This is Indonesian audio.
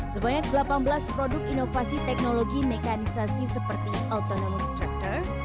sebanyak delapan belas produk inovasi teknologi mekanisasi seperti autonomous structor